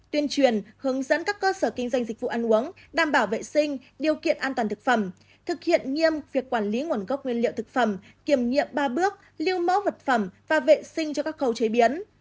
tuyên truyền hướng dẫn các cơ sở kinh doanh dịch vụ ăn uống đảm bảo vệ sinh điều kiện an toàn thực phẩm thực hiện nghiêm việc quản lý nguồn gốc nguyên liệu thực phẩm kiểm nghiệm ba bước lưu mẫu vật phẩm và vệ sinh cho các khâu chế biến